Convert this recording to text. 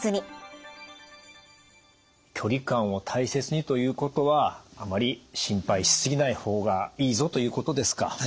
「距離感を大切に」ということはあまり心配しすぎない方がいいぞということですか？